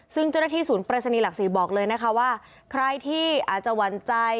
ซึ่งจะได้ที่ศูนย์เปรสนีหลักสี่บอกเลยนะคะว่าใครที่อาจจะหวันใจ